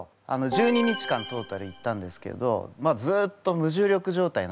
１２日間トータル行ったんですけどずっと無重力状態なんですよ。